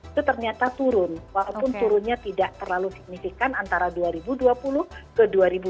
itu ternyata turun walaupun turunnya tidak terlalu signifikan antara dua ribu dua puluh ke dua ribu dua puluh